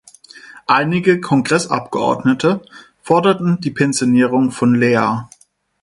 Einige Kongressabgeordnete forderten die Pensionierung von Lear.